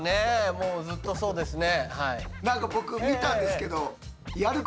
もうずっとそうですね。